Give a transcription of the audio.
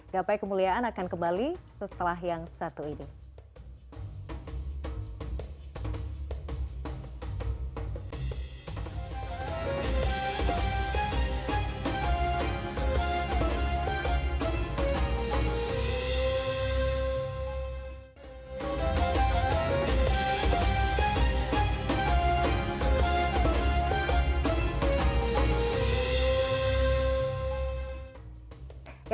gapai kemuliaan akan kembali setelah yang satu ini